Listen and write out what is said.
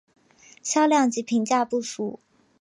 销量及评价不俗。